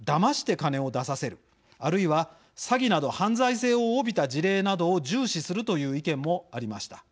金を出させるあるいは詐欺など犯罪性を帯びた事例などを重視するという意見もありました。